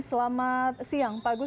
selamat siang pak gusman